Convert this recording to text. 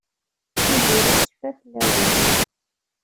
Tiziri tecfa fell-awen.